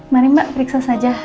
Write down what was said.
mari mbak periksa saja